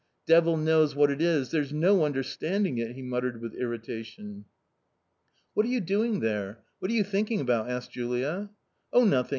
Devil knows what it is, there's no under standing it !" he muttered with irritation. "What are you doing there? what are you thinking about ?" asked Julia. " Oh, nothing !